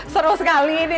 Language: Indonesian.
seru sekali ini